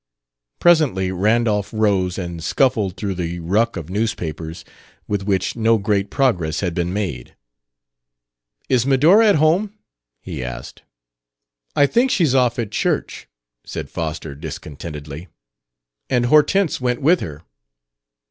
Presently Randolph rose and scuffled through the ruck of newspapers, with which no great progress had been made. "Is Medora at home?" he asked. "I think she's off at church," said Foster discontentedly. "And Hortense went with her."